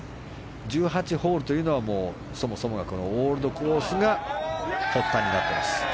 １８ホールというのはそもそもが、オールドコースが発端になっています。